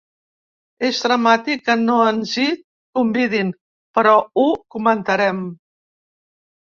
És dramàtic que no ens hi convidin, però ho comentarem.